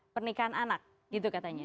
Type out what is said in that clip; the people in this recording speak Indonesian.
pernikahan anak gitu katanya